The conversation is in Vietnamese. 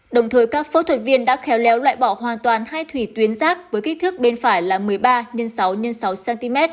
đồng thời các phẫu thuật viên đã khéo léo loại bỏ hoàn toàn hai thủy tuyến giáp với kích thước bên phải là một mươi ba x sáu x sáu cm